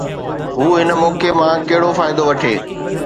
هو هن موقعي مان ڪهڙو فائدو وٺي؟